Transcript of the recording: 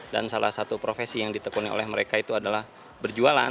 dan salah satu profesi yang ditekuni oleh mereka itu adalah berjualan